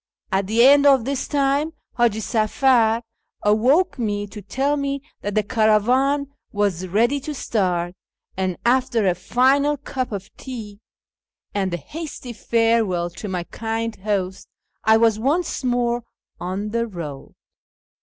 At the end of this time Haji Safar awoke me to tell me that the caravan was ready to start, and, after a final cup of tea 438 A YEAR AMONGST THE PERSIANS and a hasty farewell to my kind host, I was once more on thr, road.